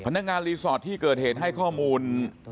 นักรีสอร์ทที่เกิดเหตุให้ข้อมูล